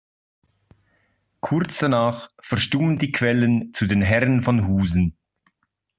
Kurz danach verstummen die Quellen zu den Herren von Husen.